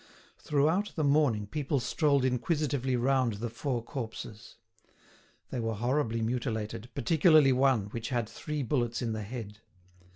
Throughout the morning people strolled inquisitively round the four corpses. They were horribly mutilated, particularly one, which had three bullets in the head.